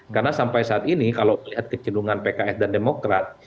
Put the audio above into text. karena sampai saat ini kalau melihat kecenderungan pks dan demokrat